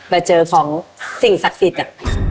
ไปเจอของสิ่งศักดิ์สิทธิ์